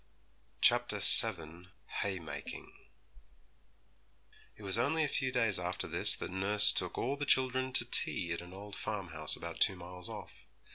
CHAPTER VII Haymaking It was only a few days after this that nurse took all the children to tea at an old farmhouse about two miles off.